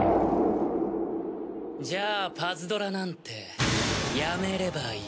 じゃあパズドラなんてやめればいい。